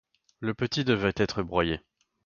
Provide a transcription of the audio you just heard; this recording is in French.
Le petit devait être broyé.